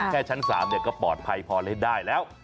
แค่ชั้น๓ก็ปลอดภัยพอเล่นได้แล้ว